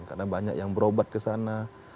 karena banyak yang berobat kesana